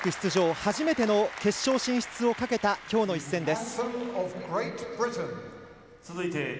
初めての決勝進出をかけたきょうの一戦です。